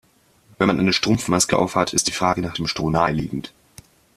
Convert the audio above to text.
Wenn man eine Strumpfmaske auf hat, ist die Frage nach dem Stroh naheliegend.